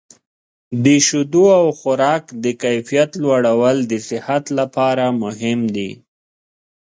د شیدو او خوراک د کیفیت لوړول د صحت لپاره مهم دي.